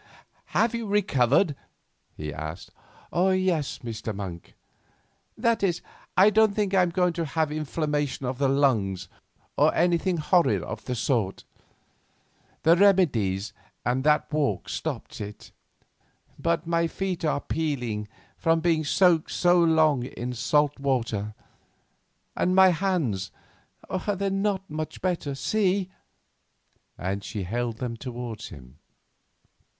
"Have you recovered?" he asked. "Yes, Mr. Monk; that is, I don't think I am going to have inflammation of the lungs or anything horrid of the sort. The remedies and that walk stopped it. But my feet are peeling from being soaked so long in salt water, and my hands are not much better. See," and she held them towards him.